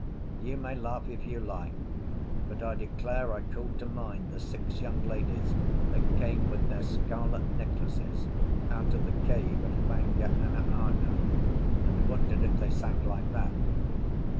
You may laugh if you like; but I declare I called to mind the six young ladies that came, with their scarlet necklaces, out of the cave at Fanga anaana, and wondered if they sang like that.